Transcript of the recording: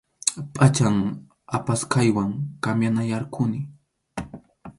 Pʼachan apasqaywan cambianayarquni.